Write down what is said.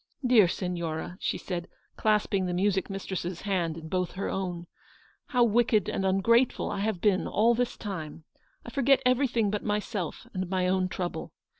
" Dear Signora," she said, clasping the music mistress's hand in both her own, u how wicked and ungrateful I have been all this time ! I forget everything but myself and my own trouble.